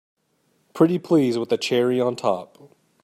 Pretty please with a cherry on top!